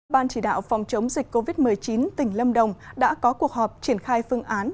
ban chỉ đạo phòng chống dịch covid một mươi chín tỉnh lâm đồng đã có cuộc họp triển khai phương án